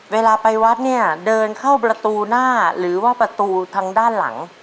เวลาไปวัดเนี่ยเดินเข้าประตูหน้าหรือว่าประตูทางด้านหลัง